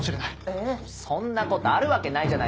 そんな事あるわけないじゃないですか。